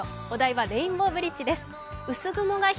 お台場レインボーブリッジです。